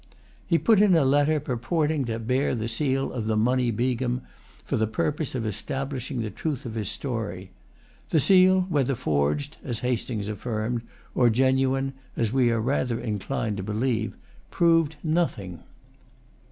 He put in a letter purporting to bear the seal of the Munny Begum, for the purpose of establishing the truth of his story. The seal, whether forged, as Hastings affirmed, or genuine, as we are rather inclined to believe, proved nothing.